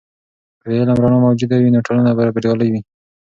که د علم رڼا موجوده وي، نو ټولنه به بریالۍ وي.